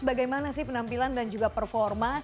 bagaimana sih penampilan dan juga performa